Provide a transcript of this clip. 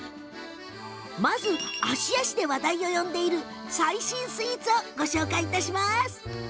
まず、芦屋市で話題を呼んでいる最新スイーツをご紹介いたします。